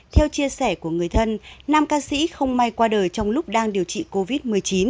theo chia sẻ của người thân nam ca sĩ không may qua đời trong lúc đang điều trị covid một mươi chín